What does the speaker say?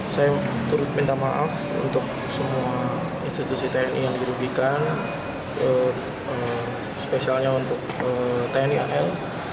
saya turut minta maaf untuk semua institusi tni yang dirugikan spesialnya untuk tni al